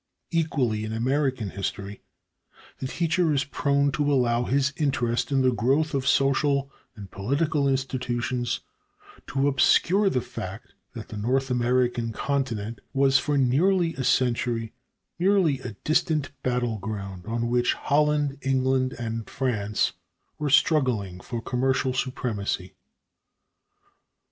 Equally in American history, the teacher is prone to allow his interest in the growth of social and political institutions to obscure the fact that the North American continent was, for nearly a century, merely a distant battleground on which Holland, England and France were struggling for commercial supremacy.